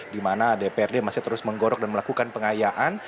di mana dprd masih terus menggorok dan melakukan pengayaan